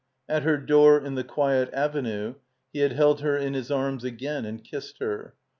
At her door in the quiet Avenue he had held her in his arms again and kissed her.